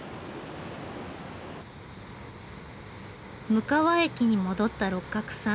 鵡川駅に戻った六角さん